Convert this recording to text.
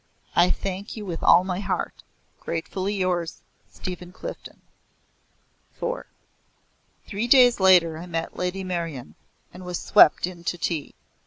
I thank you with all my heart. Gratefully yours, STEPHEN CLIFDEN. IV Three days later I met Lady Meryon, and was swept in to tea.